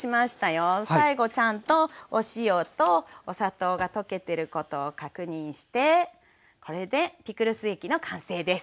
最後ちゃんとお塩とお砂糖が溶けてることを確認してこれでピクルス液の完成です。